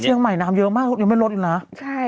เชียงใหม่น้ำเยอะมากยังไม่ลดอีกนะใช่